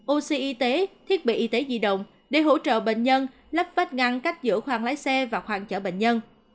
oxy y tế thiết bị y tế di động để hỗ trợ bệnh nhân lắp vách ngăn cách giữa khoang lái xe và khoang chở bệnh nhân